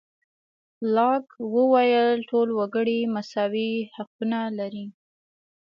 لاک وویل ټول وګړي مساوي حقونه لري.